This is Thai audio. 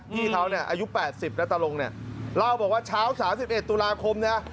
พี่เขาเนี่ยอายุ๘๐นะตะลงเนี่ยเล่าบอกว่าเช้า๓๑ตุลาคมนะ